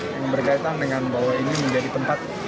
yang berkaitan dengan bahwa ini menjadi tempat